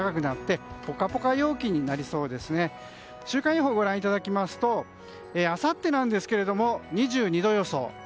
週間予報、ご覧いただきますとあさってなんですけれども２２度予想。